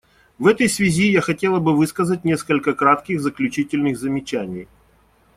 В этой связи я хотела бы высказать несколько кратких заключительных замечаний.